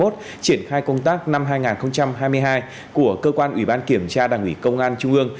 triển khai công tác năm hai nghìn hai mươi hai của cơ quan ủy ban kiểm tra đảng ủy công an trung ương